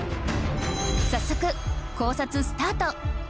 早速考察スタート